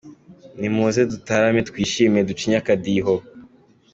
Nimuze dutarame, twishime, ducinye akadiho.